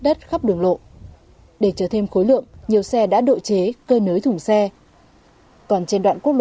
đất khắp đường lộ để chở thêm khối lượng nhiều xe đã độ chế cơ nới thủng xe còn trên đoạn quốc